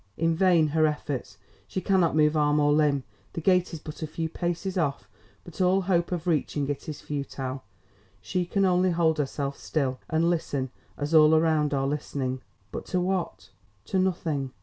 In vain her efforts, she cannot move arm or limb. The gate is but a few paces off, but all hope of reaching it is futile. She can only hold herself still and listen as all around are listening. But to what? To nothing.